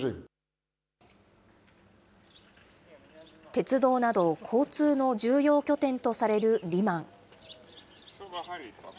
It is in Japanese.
鉄道など交通の重要拠点とされるリマン。